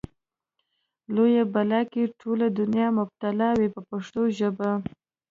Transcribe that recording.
لویه بلا کې ټوله دنیا مبتلا وه په پښتو ژبه.